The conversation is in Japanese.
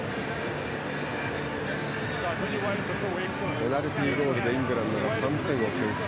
ペナルティーゴールでイングランドが３点先制。